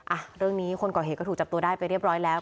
อ่ะเรื่องนี้คนก่อเหตุก็ถูกจับตัวได้ไปเรียบร้อยแล้ว